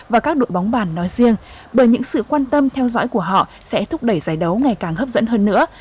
và các đội bóng bàn nói riêng bởi những sự quan tâm theo dõi của họ sẽ thúc đẩy giải đấu ngày càng hấp dẫn hơn nữa